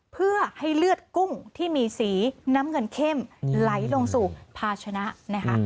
เพื่อให้เลือดกุ้งที่มีสีน้ำเงินเข้มไหลลงสู่ภาชนะนะคะ